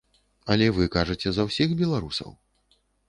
Але вы кажаце за ўсіх беларусаў.